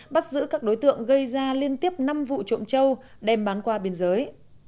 bắt giữ các đối tượng gây ra liên tiếp năm vụ trộm trâu đem bán qua biên giới